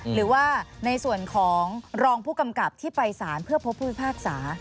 หรือว่าในส่วนของรองผู้กำกับที่ไปสารเพื่อพบผู้พิพากษา